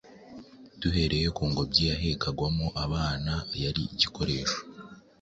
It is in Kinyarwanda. Duhereye ku ngobyi bahekagamo abana, yari igikoresho